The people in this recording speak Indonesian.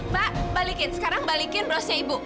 pak balikin sekarang balikin berasnya ibu